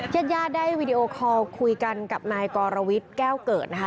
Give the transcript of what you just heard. ยัดยาดได้วีดีโอคอลคุยกันกับนายกรวรวิสแก้วเกิดนะฮะ